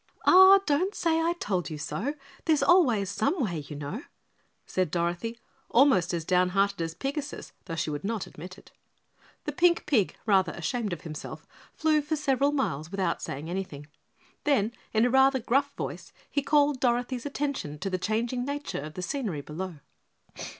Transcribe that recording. "Ah, don't say I told you so, There's always some way, you know," said Dorothy almost as down hearted as Pigasus, though she would not admit it. The pink pig, rather ashamed of himself, flew for several miles without saying anything, then, in rather a gruff voice, he called Dorothy's attention to the changing nature of the scenery below.